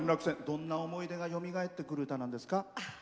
どんな思い出がよみがえってくる歌なんですか？